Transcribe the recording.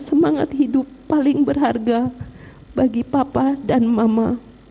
semangat hidup paling berharga bagi papa dan mama